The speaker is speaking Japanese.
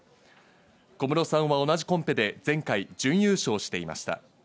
小室さんは同じコンペで前回、準優勝していました。